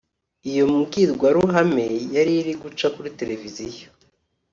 Iyo mbwirwaruhame yari iri guca kuri Televiziyo